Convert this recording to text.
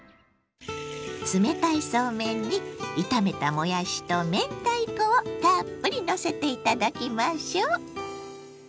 冷たいそうめんに炒めたもやしと明太子をたっぷりのせて頂きましょう！